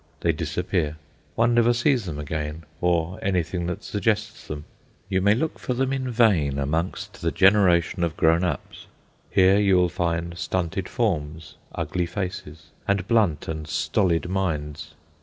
They disappear. One never sees them again, or anything that suggests them. You may look for them in vain amongst the generation of grown ups. Here you will find stunted forms, ugly faces, and blunt and stolid minds.